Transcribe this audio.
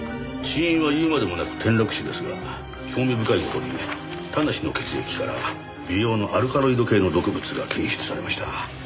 死因は言うまでもなく転落死ですが興味深い事に田無の血液から微量のアルカロイド系の毒物が検出されました。